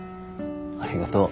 ありがとう。